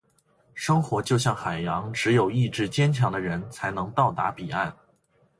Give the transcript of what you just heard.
生活就像海洋，只有意志坚强的人，才能到达彼岸。